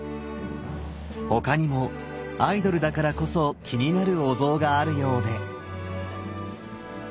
他にもアイドルだからこそ気になるお像があるようで。